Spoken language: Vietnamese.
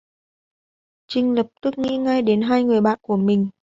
Triinh lập tức nghĩ ngay đến hai người bạn của mình